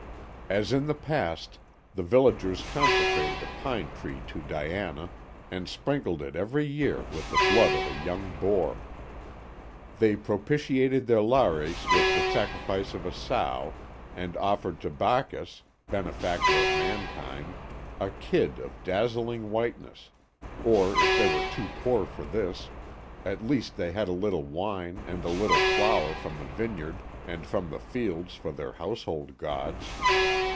As in the past, the villagers consecrated a pine tree to Diana, and sprinkled it every year with the blood of a young boar; they propitiated their Lares with the sacrifice of a sow, and offered to Bacchus benefactor of mankind a kid of dazzling whiteness, or if they were too poor for this, at least they had a little wine and a little flour from the vineyard and from the fields for their household gods.